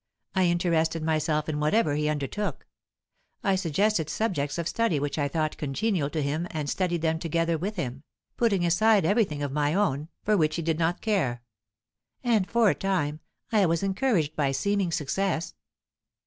I interested myself in whatever he undertook; I suggested subjects of study which I thought congenial to him and studied them together with him, putting aside everything of my own for which he did not care. And for a time I was encouraged by seeming success.